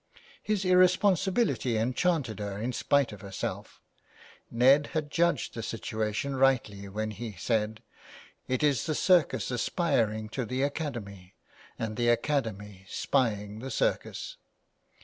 His irresponsibility enchanted her in spite of her self — Ned had judged the situation rightly when he said :" It is the circus aspiring to the academy and the academy spying the circus."